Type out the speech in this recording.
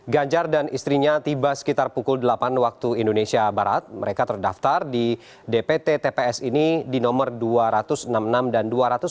ganjar dan istrinya tiba sekitar pukul delapan waktu indonesia barat mereka terdaftar di dpt tps ini di nomor dua ratus enam puluh enam dan dua ratus sembilan puluh